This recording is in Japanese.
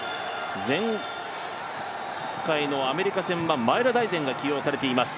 前回のアメリカ戦は前田大然が起用されています。